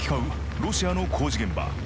ロシアの工事現場